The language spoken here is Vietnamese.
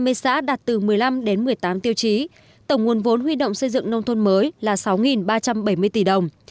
ba mươi xã đạt từ một mươi năm đến một mươi tám tiêu chí tổng nguồn vốn huy động xây dựng nông thôn mới là sáu ba trăm bảy mươi tỷ đồng